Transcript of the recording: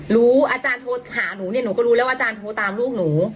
อาจารย์โทรหาหนูเนี่ยหนูก็รู้แล้วอาจารย์โทรตามลูกหนู